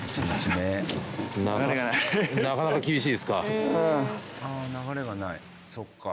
なかなか厳しいですか。